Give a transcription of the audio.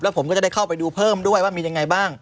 ผมก็จะได้เข้าไปดูเพิ่มด้วยว่ามียังไงบ้าง